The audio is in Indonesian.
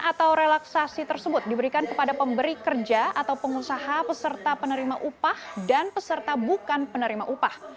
atau relaksasi tersebut diberikan kepada pemberi kerja atau pengusaha peserta penerima upah dan peserta bukan penerima upah